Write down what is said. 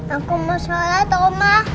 aku mau sholat oma